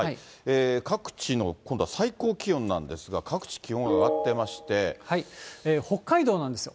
各地の今度は最高気温なんですが、各地、気温が上がってまし北海道なんですよ。